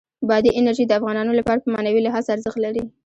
بادي انرژي د افغانانو لپاره په معنوي لحاظ ارزښت لري.